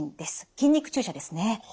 筋肉注射ですね。